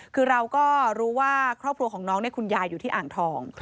คือเราก็รู้ว่าครอบครัวของน้องคุณยายอยู่ที่อ่างทอง